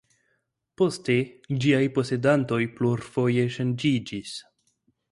Poste ĝiaj posedantoj plurfoje ŝanĝiĝis.